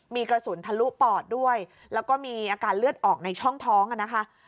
มีกระสุนทะลุปอดด้วยแล้วก็มีอาการเลือดออกในช่องท้องนะคะ